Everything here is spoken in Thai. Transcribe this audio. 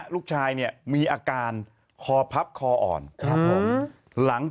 ลูกชายเนี่ยมีอาการคอพับคออ่อน